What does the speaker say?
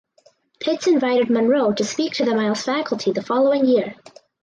Pitts invited Monro to speak to the Miles faculty the following year.